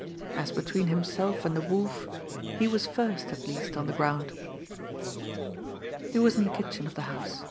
As between himself and the Wolf, he was first, at least, on the ground! He was in the kitchen of the house.